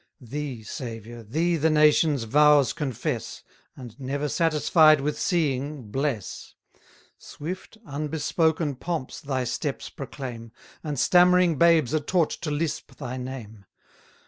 Thee, Saviour, thee the nation's vows confess, 240 And, never satisfied with seeing, bless: Swift, unbespoken pomps thy steps proclaim, And stammering babes are taught to lisp thy name.